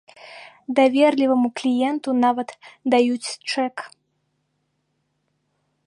Даверліваму кліенту нават даюць чэк.